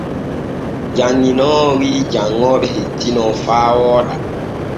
Janŋinoowo wi’i janŋooɓe hettino faa wooɗa.